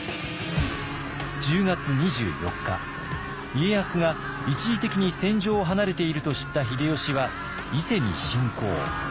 家康が一時的に戦場を離れていると知った秀吉は伊勢に侵攻。